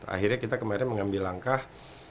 akhirnya kita kemarin mengambil langkah